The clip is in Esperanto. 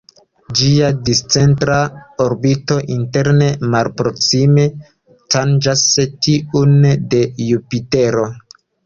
Ĝia discentra orbito interne malproksime tanĝas tiun de Jupitero.